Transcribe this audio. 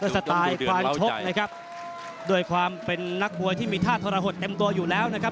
สไตล์ความชกนะครับด้วยความเป็นนักมวยที่มีท่าทรหดเต็มตัวอยู่แล้วนะครับ